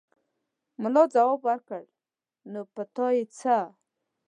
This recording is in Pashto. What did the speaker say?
ملا ځواب ورکړ: نو په تا يې څه!